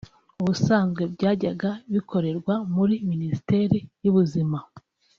ubusanzwe byajyaga bikorerwa muri Minisiteri y’Ubuzima